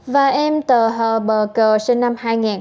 và em tờ hờ bờ cờ sinh năm hai nghìn một mươi bốn